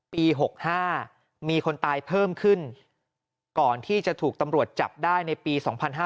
ปี๖๕มีคนตายเพิ่มขึ้นก่อนที่จะถูกตำรวจจับได้ในปี๒๕๕๙